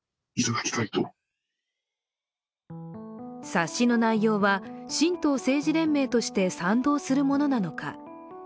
冊子の内容は神道政治連盟として賛同するものなのか。